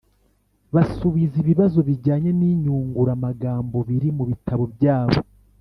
basubiza ibibazo bijyanye n’inyunguramagambo biri mu bitabo byabo.